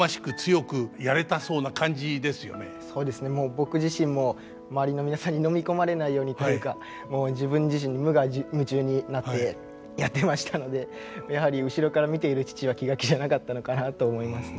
僕自身も周りの皆さんにのみ込まれないようにというかもう自分自身無我夢中になってやってましたのでやはり後ろから見ている父は気が気じゃなかったのかなと思いますね。